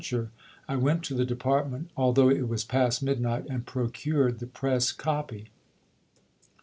adveuture, I went to the Department, although it was past midnight, and procured the press copy.